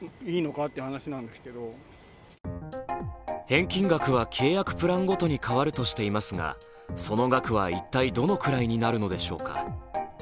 返金額は契約プランごとに変わるとしていますがその額は一体どのくらいになるのでしょうか。